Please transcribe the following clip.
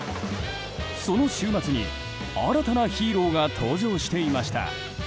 その週末に新たなヒーローが登場していました。